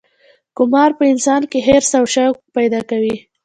قمار په انسان کې حرص او شوق پیدا کوي.